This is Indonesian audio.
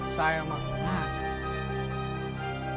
saya mau menang